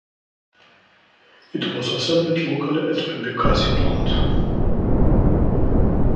It was assembled locally at the Bekasi plant.